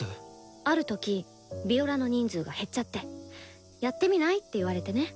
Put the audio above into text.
ある時ヴィオラの人数が減っちゃって「やってみない？」って言われてね。